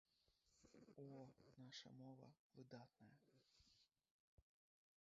О, наша мова выдатная!